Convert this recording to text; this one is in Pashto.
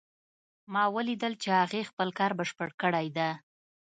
ما ولیدل چې هغې خپل کار بشپړ کړی ده